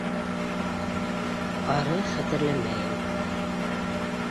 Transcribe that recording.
Ары хәтерләмәйем...